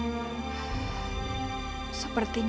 menulis seperti ini